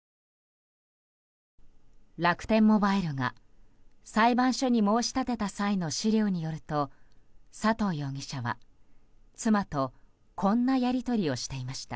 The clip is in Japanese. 楽天モバイルが裁判所に申し立てた際の資料によると佐藤容疑者は妻とこんなやり取りをしていました。